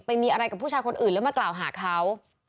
มีอะไรกับผู้ชายคนอื่นแล้วมากล่าวหาเขา